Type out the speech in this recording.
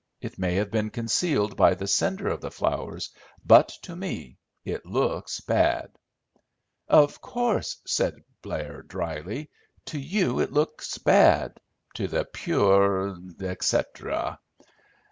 It may have been concealed by the sender of the flowers, but to me it looks bad." "Of course," said Blair dryly, "to you it looks bad. To the pure, etc."